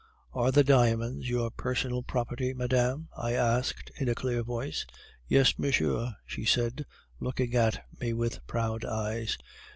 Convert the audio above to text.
"'Are the diamonds your personal property, madame?' I asked in a clear voice. "'Yes, monsieur,' she said, looking at me with proud eyes.